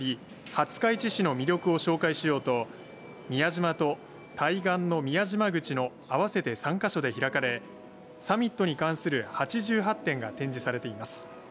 廿日市市の魅力を紹介しようと宮島と対岸の宮島口の合わせて３か所で開かれサミットに関する８８点が展示されています。